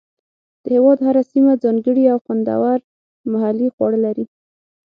د هېواد هره سیمه ځانګړي او خوندور محلي خواړه لري.